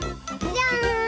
じゃん！